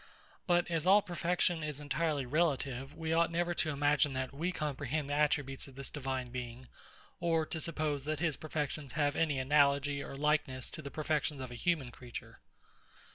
But as all perfection is entirely relative, we ought never to imagine that we comprehend the attributes of this divine Being, or to suppose that his perfections have any analogy or likeness to the perfections of a human creature.